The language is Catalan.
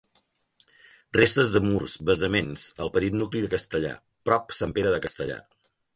Restes de murs, basaments, al petit nucli de Castellar, prop Sant Pere de Castellar.